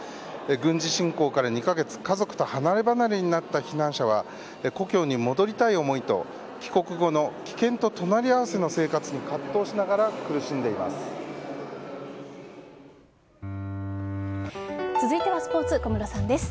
軍事侵攻から２カ月家族と離れ離れになった避難者は故郷に戻りたい思いと帰国後の危険と隣り合わせの生活に葛藤しながら苦しんでいます。